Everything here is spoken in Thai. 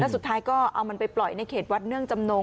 สุดท้ายก็เอามันไปปล่อยในเขตวัดเนื่องจำนง